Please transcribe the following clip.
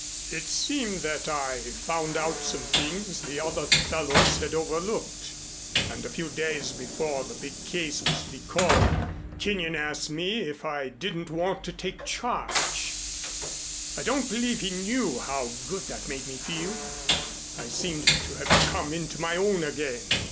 It seemed that I found out some things the other fellows had overlooked, and a few days before the big case was to be called, Kenyon asked me if I didn't want to take charge. I don't believe he knew how good that made me feel. I seemed to have come into my own again.